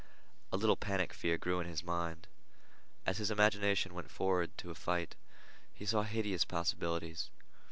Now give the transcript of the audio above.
A little panic fear grew in his mind. As his imagination went forward to a fight, he saw hideous possibilities.